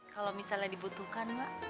kalau misalnya dibutuhkan mak